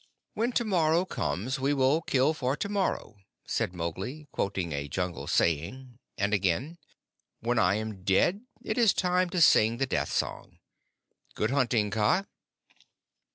"When to morrow comes we will kill for to morrow," said Mowgli, quoting a Jungle saying; and again, "When I am dead it is time to sing the Death Song. Good hunting, Kaa!"